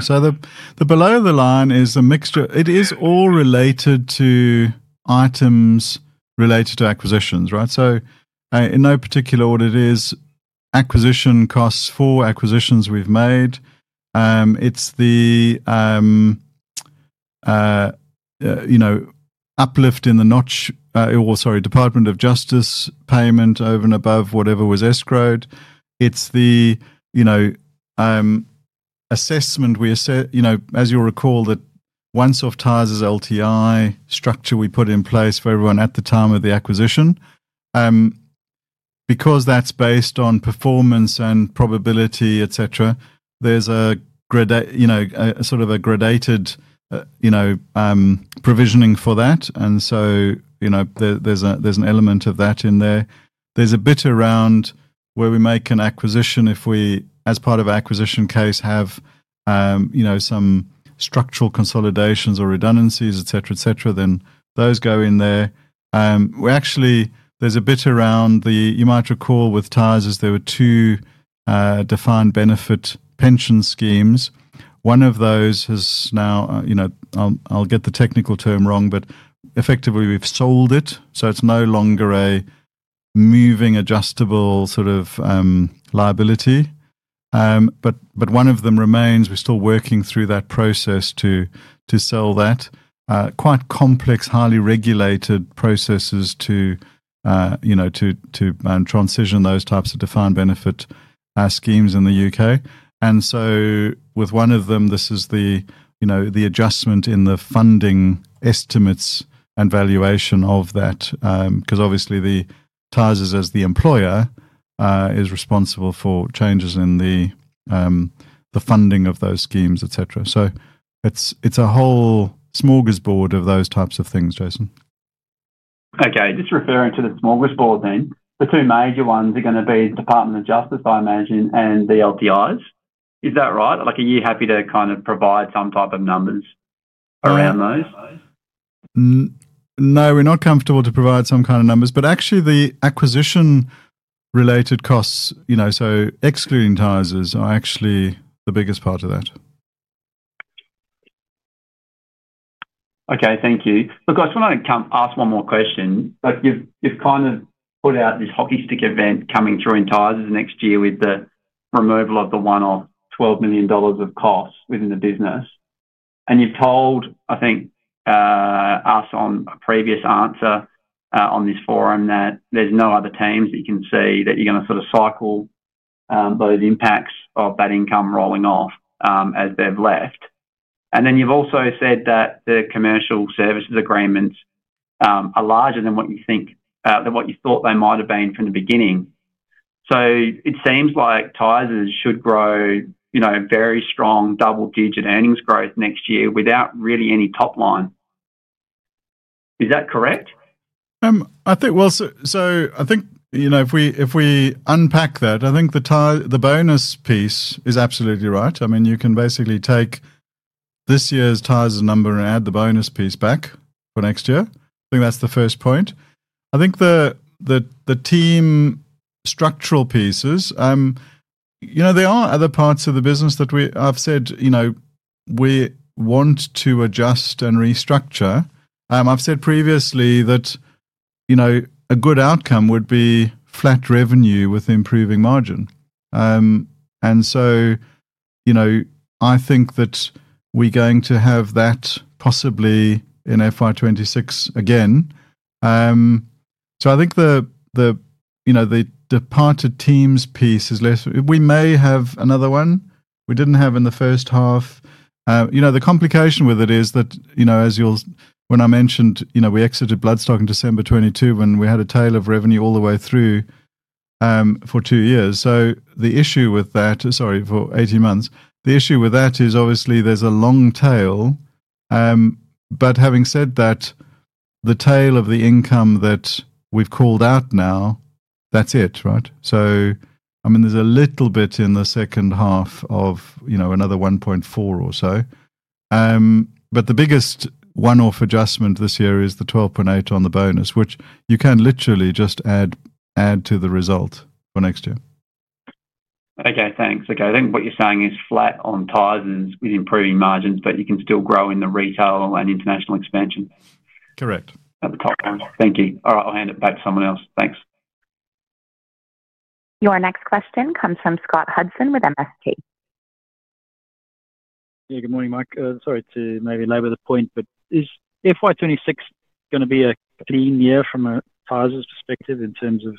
Speaker 2: So the below-the-line is a mixture. It is all related to items related to acquisitions, right? So in no particular order, it is acquisition costs for acquisitions we've made. It's the uplift in the Department of Justice payment over and above whatever was escrowed. It's the assessment. As you'll recall, the one-off Tysers LTI structure we put in place for everyone at the time of the acquisition because that's based on performance and probability, etc., there's a sort of a graduated provisioning for that. So there's an element of that in there. There's a bit around where we make an acquisition if we, as part of an acquisition case, have some structural consolidations or redundancies, etc., then those go in there. There's a bit around the, you might recall with Tysers, there were two defined benefit pension schemes. One of those has now, I'll get the technical term wrong, but effectively we've sold it. So it's no longer a moving adjustable sort of liability. But one of them remains. We're still working through that process to sell that. Quite complex, highly regulated processes to transition those types of defined benefit schemes in the U.K., and so with one of them, this is the adjustment in the funding estimates and valuation of that. Because obviously, Tysers as the employer is responsible for changes in the funding of those schemes, etc. It's a whole smorgasbord of those types of things, Jason.
Speaker 6: Okay. Just referring to the smorgasbord then, the two major ones are going to be the Department of Justice, I imagine, and the LTIs. Is that right? Are you happy to kind of provide some type of numbers around those?
Speaker 2: No, we're not comfortable to provide some kind of numbers. But actually, the acquisition-related costs, so excluding Tysers, are actually the biggest part of that.
Speaker 6: Okay. Thank you. Look, I just want to ask one more question. You've kind of put out this hockey stick event coming through in Tysers next year with the removal of the one-off 12 million dollars of costs within the business. You've told, I think, us on a previous answer on this forum that there's no other teams that you can see that you're going to sort of cycle those impacts of that income rolling off as they've left. Then you've also said that the commercial services agreements are larger than what you thought they might have been from the beginning. So it seems like Tysers should grow very strong double-digit earnings growth next year without really any top line. Is that correct?
Speaker 2: Well, so I think if we unpack that, I think the bonus piece is absolutely right. I mean, you can basically take this year's Tysers number and add the bonus piece back for next year. I think that's the first point. I think the team structural pieces, there are other parts of the business that I've said we want to adjust and restructure. I've said previously that a good outcome would be flat revenue with improving margin, and so I think that we're going to have that possibly in FY 2026 again. So I think the departed teams piece is less. We may have another one. We didn't have in the first half. The complication with it is that, when I mentioned we exited Bloodstock in December 2022 when we had a tail of revenue all the way through for 18 months, the issue with that is obviously there's a long tail. But having said that, the tail of the income that we've called out now, that's it, right? So I mean, there's a little bit in the second half of another 1.4 or so, but the biggest one-off adjustment this year is the 12.8 on the bonus, which you can literally just add to the result for next year.
Speaker 6: Okay. Thanks. Okay. I think what you're saying is flat on Tysers with improving margins, but you can still grow in the retail and International expansion.
Speaker 2: Correct.
Speaker 6: At the top line. Thank you. All right. I'll hand it back to someone else. Thanks.
Speaker 1: Your next question comes from Scott Hudson with MST.
Speaker 7: Yeah. Good morning, Mike. Sorry to maybe labor the point, but is FY 2026 going to be a clean year from a Tysers perspective in terms of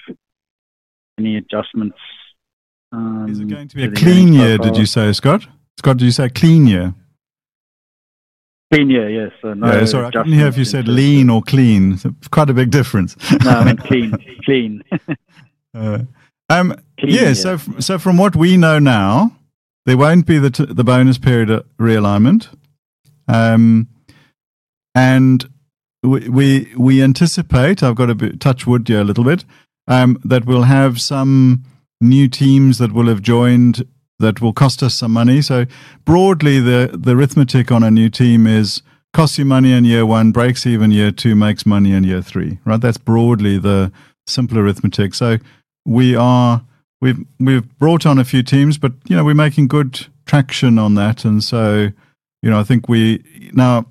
Speaker 7: any adjustments?
Speaker 2: Is it going to be a clean year, did you say, Scott? Scott, did you say clean year?
Speaker 7: Clean year, yes.
Speaker 2: Yeah. Sorry. I didn't hear if you said lean or clean. Quite a big difference.
Speaker 7: No, I meant clean. Clean year.
Speaker 2: Yeah. So from what we know now, there won't be the bonus period realignment and we anticipate, I've got to touch wood here a little bit, that we'll have some new teams that will have joined that will cost us some money. So broadly, the arithmetic on a new team is costs you money in year one, breaks even year two, makes money in year three, right? That's broadly the simple arithmetic. So we've brought on a few teams, but we're making good traction on that. So I think, now,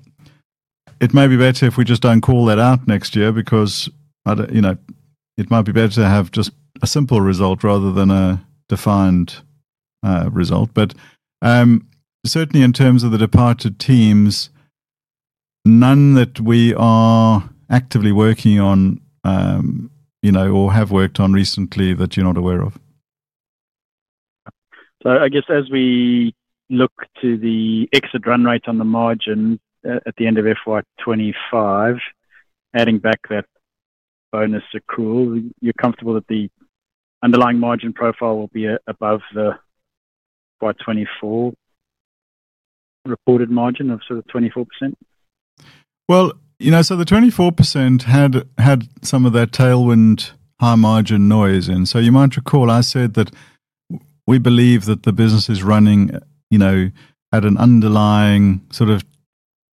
Speaker 2: it may be better if we just don't call that out next year because it might be better to have just a simple result rather than a defined result. But certainly in terms of the departed teams, none that we are actively working on or have worked on recently that you're not aware of.
Speaker 7: So I guess as we look to the exit run rate on the margin at the end of FY 2025, adding back that bonus accrual, you're comfortable that the underlying margin profile will be above the FY 2024 reported margin of sort of 24%?
Speaker 2: Well, the 24% had some of that tailwind high margin noise in. So you might recall I said that we believe that the business is running at an underlying sort of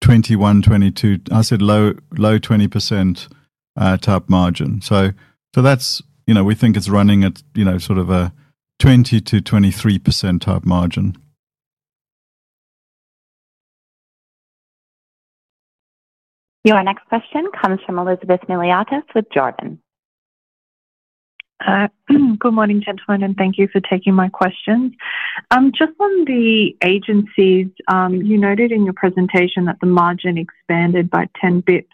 Speaker 2: 21% to 22%, I said low 20%-type margin. So we think it's running at sort of a 20% to 23%-type margin.
Speaker 1: Your next question comes from Elizabeth Miliatis with Jarden.
Speaker 8: Good morning, gentlemen, and thank you for taking my questions. Just on the Agencies, you noted in your presentation that the margin expanded by 10 bps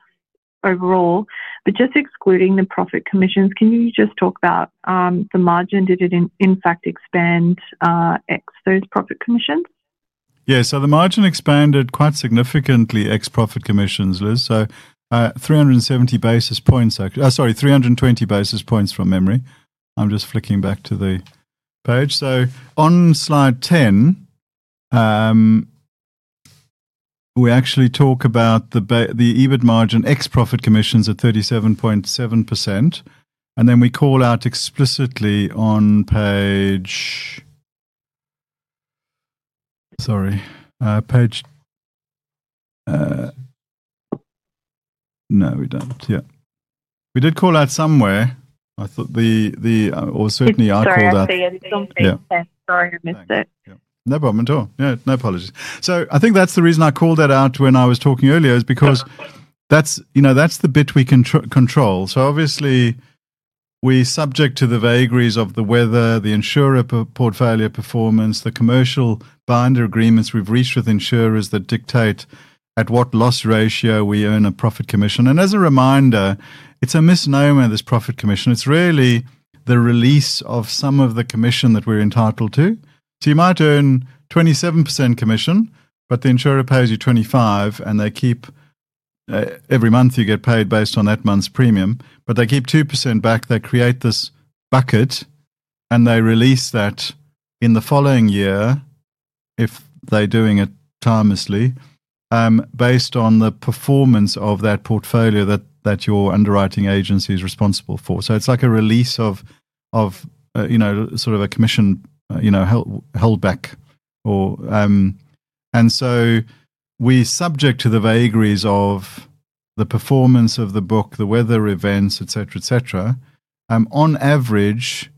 Speaker 8: overall. But just excluding the profit commissions, can you just talk about the margin? Did it, in fact, expand those ex profit commissions?
Speaker 2: Yeah. So the margin expanded quite significantly ex profit commissions, Liz. So 320 bps from memory. I'm just flicking back to the page. So on Slide 10, we actually talk about the EBIT margin ex profit commissions at 37.7% and then we call out explicitly on page, sorry. No, we did call out somewhere or certainly I called out.
Speaker 8: Sorry. I missed it.
Speaker 2: No problem at all. Yeah. No apologies. So I think that's the reason I called that out when I was talking earlier is because that's the bit we can control. So obviously, we're subject to the vagaries of the weather, the insurer portfolio performance, the commercial binder agreements we've reached with insurers that dictate at what loss ratio we earn a profit commission, and as a reminder, it's a misnomer, this profit commission. It's really the release of some of the commission that we're entitled to, so you might earn 27% commission, but the insurer pays you 25%, and they keep every month you get paid based on that month's premium, but they keep 2% back. They create this bucket, and they release that in the following year if they're doing it timely based on the performance of that portfolio that your underwriting agency is responsible for, so it's like a release of sort of a commission held back, and so we're subject to the vagaries of the performance of the book, the weather events, etc.. On average,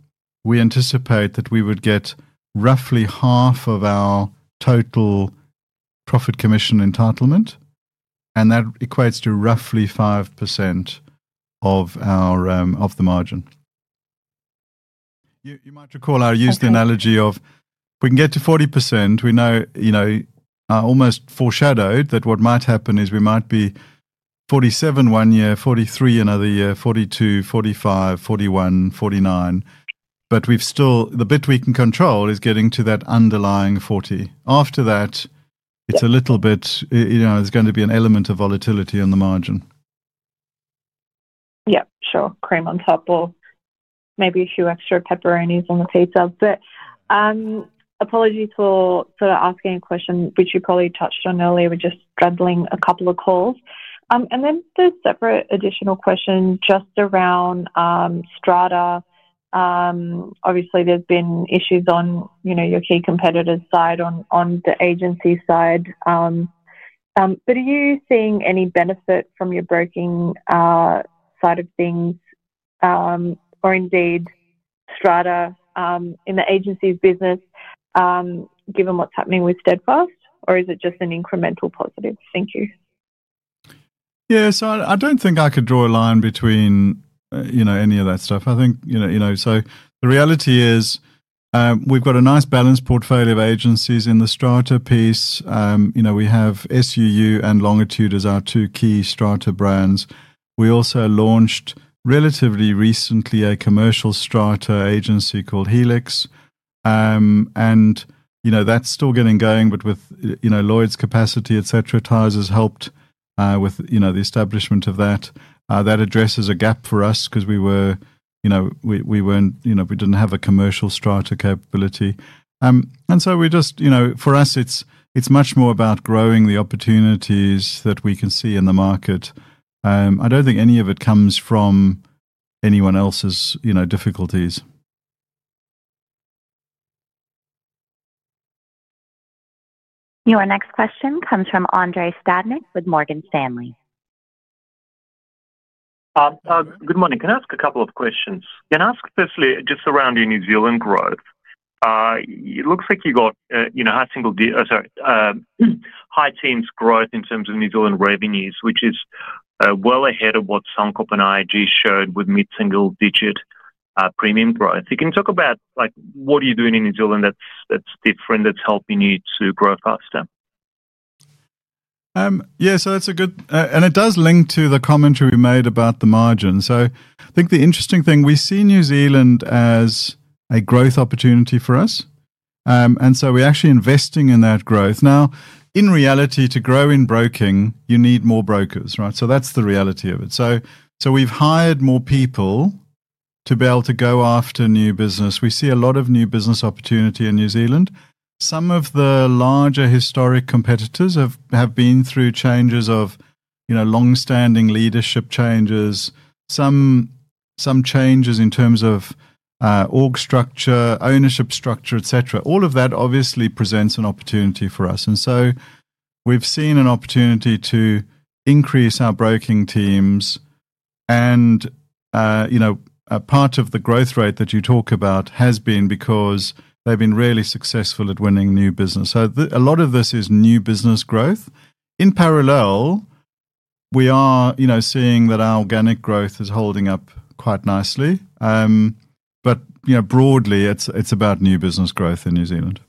Speaker 2: we anticipate that we would get roughly half of our total profit commission entitlement, and that equates to roughly 5% of the margin. You might recall I used the analogy of we can get to 40%. We know almost foreshadowed that what might happen is we might be 47% one year, 43% another year, 42%, 45%, 41%, 49%. But the bit we can control is getting to that underlying 40%. After that, it's a little bit, there's going to be an element of volatility on the margin.
Speaker 8: Yes. Sure. Cream on top will maybe a few extra pepperonis on the taste of it. Apologies for sort of asking a question, which you probably touched on earlier. We're just juggling a couple of calls, and then the separate additional question just around strata. Obviously, there's been issues on your key competitor's side on the agency side. But are you seeing any benefit from your broking side of things or indeed strata in the Agencies business given what's happening with Steadfast? Or is it just an incremental positive? Thank you.
Speaker 2: Yeah. So I don't think I could draw a line between any of that stuff. I think. So the reality is we've got a nice balanced portfolio of Agencies in the strata piece. We have SUU and Longitude as our two key strata brands. We also launched relatively recently a commercial strata agency called Helix. And that's still getting going. But with Lloyd's capacity, etc., Tysers helped with the establishment of that. That addresses a gap for us because we didn't have a commercial strata capability. And so for us, it's much more about growing the opportunities that we can see in the market. I don't think any of it comes from anyone else's difficulties.
Speaker 1: Your next question comes from Andrei Stadnik with Morgan Stanley.
Speaker 9: Good morning. Can I ask a couple of questions? Can I ask firstly just around your New Zealand growth? It looks like you got high teens growth in terms of New Zealand revenues, which is well ahead of what Suncorp and IAG showed with mid-single-digit premium growth. Could you talk about what you're doing in New Zealand that's different, that's helping you to grow faster?
Speaker 2: Yeah. So that's a good one and it does link to the commentary we made about the margin. So I think the interesting thing, we see New Zealand as a growth opportunity for us. So we're actually investing in that growth. Now, in reality, to grow in broking, you need more brokers, right? So that's the reality of it. So we've hired more people to be able to go after new business. We see a lot of new business opportunity in New Zealand. Some of the larger historic competitors have been through changes of long-standing leadership changes, some changes in terms of org structure, ownership structure, etc. All of that obviously presents an opportunity for us. So we've seen an opportunity to increase our broking teams. Part of the growth rate that you talk about has been because they've been really successful at winning new business. So a lot of this is new business growth. In parallel, we are seeing that our organic growth is holding up quite nicely. But broadly, it's about new business growth in New Zealand.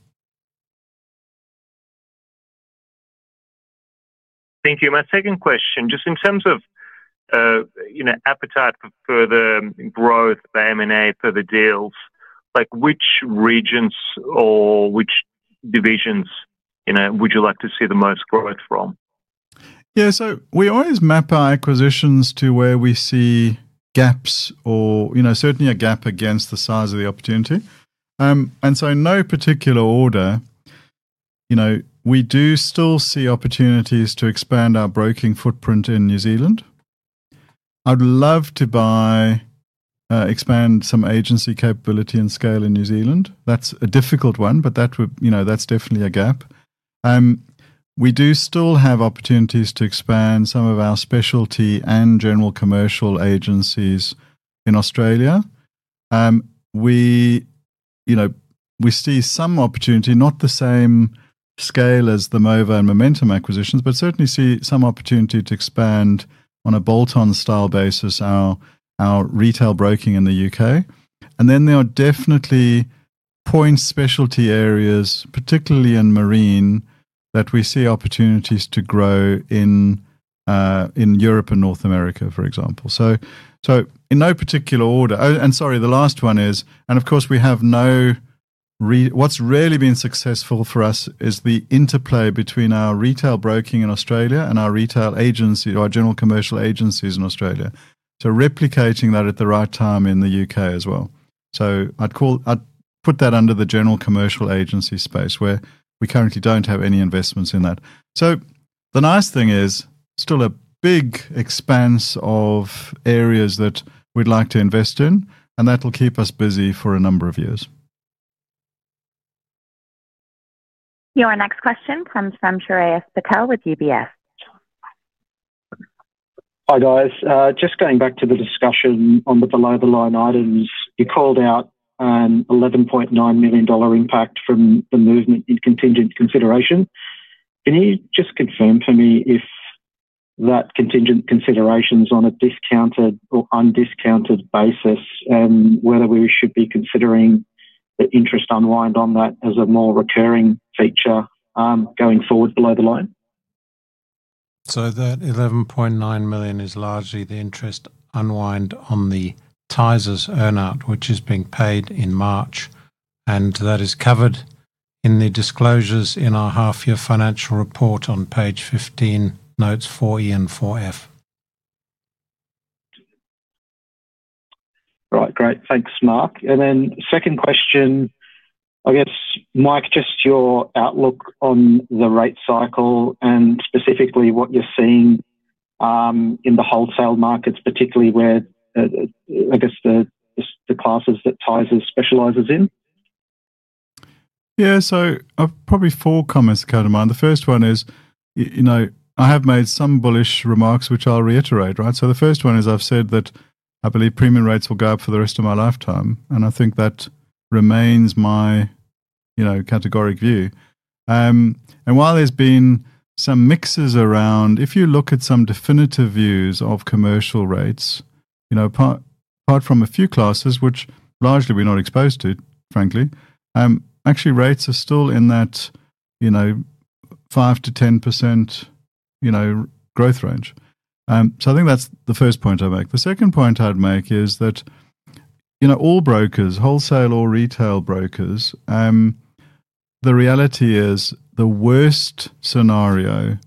Speaker 9: Thank you. My second question, just in terms of appetite for the growth, the M&A, for the deals, which regions or which divisions would you like to see the most growth from?
Speaker 2: Yeah. So we always map our acquisitions to where we see gaps or certainly a gap against the size of the opportunity, and so in no particular order, we do still see opportunities to expand our broking footprint in New Zealand. I'd love to expand some agency capability and scale in New Zealand. That's a difficult one, but that's definitely a gap. We do still have opportunities to expand some of our specialty and general commercial agencies in Australia. We see some opportunity, not the same scale as the Movo and Momentum acquisitions, but certainly see some opportunity to expand on a bolt-on style basis our retail broking in the U.K. Then there are definitely point specialty areas, particularly in marine, that we see opportunities to grow in Europe and North America, for example. So in no particular order and sorry, the last one is, and of course, we have what's really been successful for us is the interplay between our retail broking in Australia and our retail agency, our general commercial agencies in Australia. So replicating that at the right time in the U.K. as well. So I'd put that under the general commercial agency space where we currently don't have any investments in that. So the nice thing is still a big expanse of areas that we'd like to invest in, and that'll keep us busy for a number of years.
Speaker 1: Your next question comes from Shreyas Patel with UBS.
Speaker 10: Hi, guys. Just going back to the discussion on the below-the-line items, you called out an 11.9 million dollar impact from the movement in contingent consideration. Can you just confirm for me if that contingent consideration's on a discounted or undiscounted basis and whether we should be considering the interest unwind on that as a more recurring feature going forward below the line?
Speaker 2: So that 11.9 million is largely the interest unwind on the Tysers earn-out, which is being paid in March and that is covered in the disclosures in our half-year financial report on Page 15, Notes 4E and 4F.
Speaker 10: Right. Great. Thanks, Mike. Then second question, I guess, Mike, just your outlook on the rate cycle and specifically what you're seeing in the wholesale markets, particularly where, I guess, the classes that Tysers specializes in?
Speaker 2: Yeah. So probably four comments come to mind. The first one is I have made some bullish remarks, which I'll reiterate, right? So the first one is I've said that I believe premium rates will go up for the rest of my lifetime. I think that remains my categorical view and while there's been some mixes around, if you look at some definitive views of commercial rates, apart from a few classes, which largely we're not exposed to, frankly, actually rates are still in that 5% to 10% growth range. So I think that's the first point I make. The second point I'd make is that all brokers, wholesale or retail brokers, the reality is the worst scenario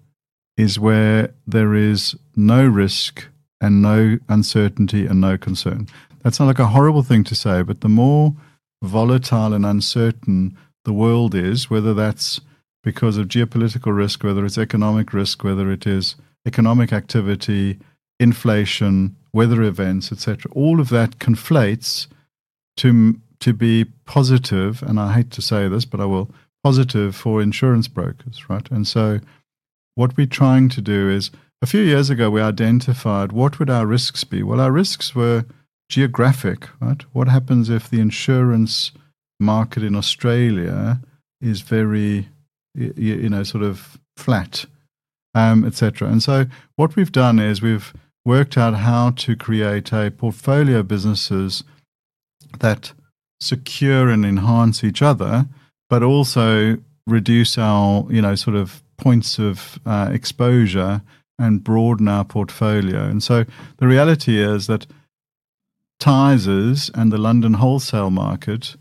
Speaker 2: is where there is no risk and no uncertainty and no concern. That's not a horrible thing to say, but the more volatile and uncertain the world is, whether that's because of geopolitical risk, whether it's economic risk, whether it is economic activity, inflation, weather events, etc., all of that conflates to be positive, and I hate to say this, but I will, positive for insurance brokers, right? So what we're trying to do is a few years ago, we identified what would our risks be. Well, our risks were geographic, right? What happens if the insurance market in Australia is very sort of flat, etc.? So what we've done is we've worked out how to create a portfolio of businesses that secure and enhance each other, but also reduce our sort of points of exposure and broaden our portfolio. The reality is that Tysers and the London wholesale market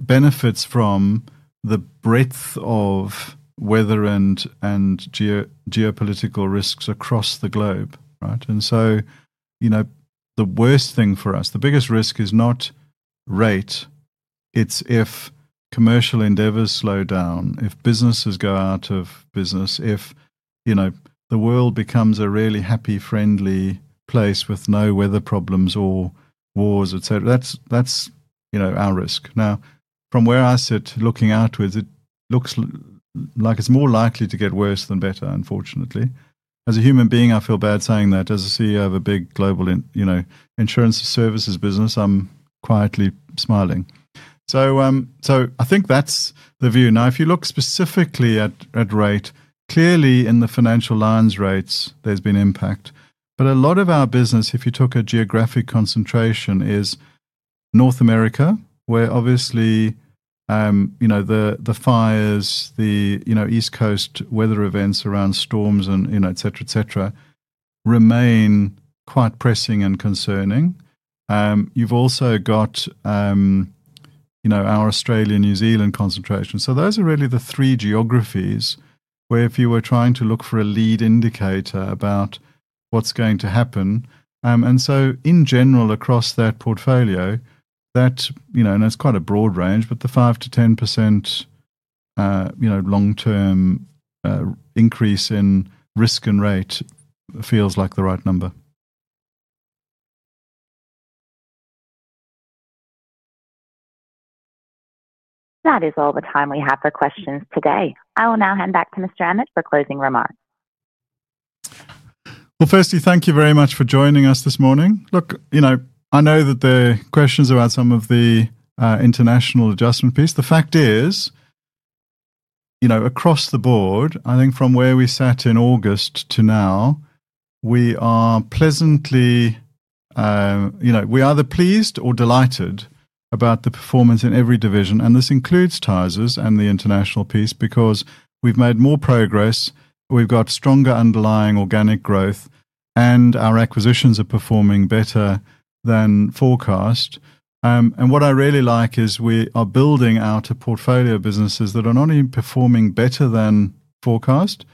Speaker 2: benefits from the breadth of weather and geopolitical risks across the globe, right? The worst thing for us, the biggest risk is not rate. It's if commercial endeavors slow down, if businesses go out of business, if the world becomes a really happy, friendly place with no weather problems or wars, etc. That's our risk. Now, from where I sit looking outwards, it looks like it's more likely to get worse than better, unfortunately. As a human being, I feel bad saying that. As a CEO of a big global insurance services business, I'm quietly smiling. I think that's the view. Now, if you look specifically at rate, clearly in the financial lines rates, there's been impact. But a lot of our business, if you took a geographic concentration, is North America, where obviously the fires, the East Coast weather events around storms, etc., remain quite pressing and concerning. You've also got our Australia-New Zealand concentration. So those are really the three geographies where if you were trying to look for a lead indicator about what's going to happen. So in general, across that portfolio, that's quite a broad range, but the 5% to 10% long-term increase in risk and rate feels like the right number.
Speaker 1: That is all the time we have for questions today. I will now hand back to Mr. Emmett for closing remarks.
Speaker 2: Well, firstly, thank you very much for joining us this morning. Look, I know that there are questions about some of the International adjustment piece. The fact is, across the board, I think from where we sat in August to now, we are pleasantly either pleased or delighted about the performance in every division and this includes Tysers and the International piece because we've made more progress, we've got stronger underlying organic growth, and our acquisitions are performing better than forecast and what I really like is we are building out a portfolio of businesses that are not only performing better than forecast,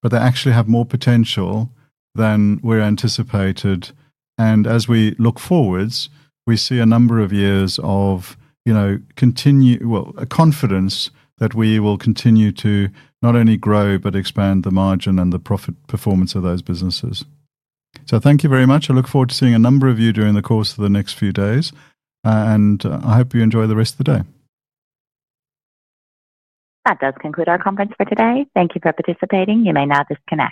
Speaker 2: but they actually have more potential than we anticipated. As we look forward, we see a number of years of, well, confidence that we will continue to not only grow, but expand the margin and the profit performance of those businesses. So thank you very much. I look forward to seeing a number of you during the course of the next few days. I hope you enjoy the rest of the day.
Speaker 1: That does conclude our conference for today. Thank you for participating. You may now disconnect.